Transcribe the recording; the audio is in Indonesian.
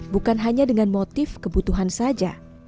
bukan hanya dengan motif kebutuhan saja